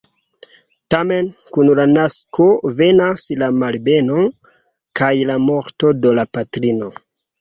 Tamen kun la nasko venas la malbeno kaj la morto de la patrino.